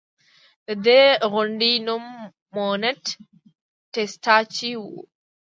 د دې غونډۍ نوم مونټ ټسټاچي و